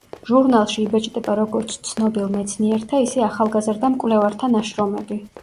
ჟურნალში იბეჭდება როგორც ცნობილ მეცნიერთა, ისე ახალგაზრდა მკვლევართა ნაშრომები.